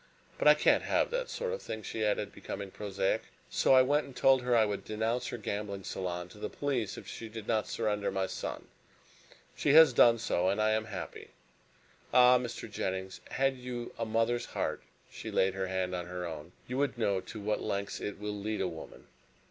But I can't have that sort of thing," she added, becoming prosaic, "so I went and told her I would denounce her gambling salon to the police if she did not surrender my son. She has done so, and I am happy. Ah, Mr. Jennings, had you a mother's heart," she laid her hand on her own, "you would know to what lengths it will lead a woman!"